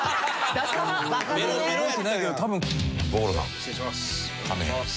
失礼します。